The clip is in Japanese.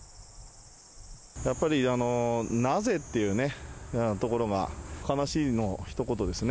やっぱり、なぜっていうね、ところが、悲しいのひと言ですね。